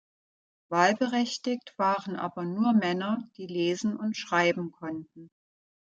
Wahlberechtigt waren aber nur Männer, die lesen und schreiben konnten.